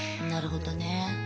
なるほどね。